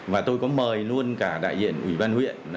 và tôi có mời luôn cả đại diện ủy ban huyện